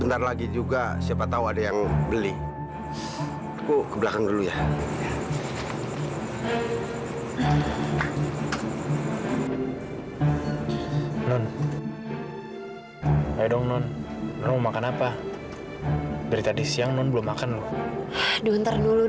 ntar dulu dong man